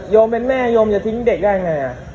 มเป็นแม่โยมจะทิ้งเด็กได้ไง